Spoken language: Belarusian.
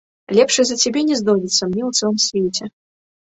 Лепшай за цябе не знойдзецца мне ў цэлым свеце!